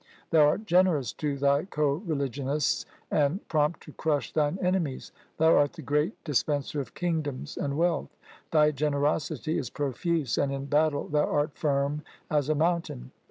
Thou art generous to thy co religionists, and prompt to crush thine enemies. Thou art the great dis penser of kingdoms and wealth. Thy generosity is profuse, and in battle thou art firm as a mountain.